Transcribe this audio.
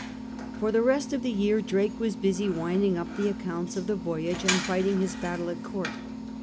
For the rest of the year Drake was busy winding up the accounts of the voyage and fighting his battle at Court.